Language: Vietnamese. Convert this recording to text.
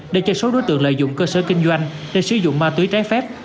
để cho số đối tượng lợi dụng cơ sở kinh doanh để sử dụng mạ tủy trái phép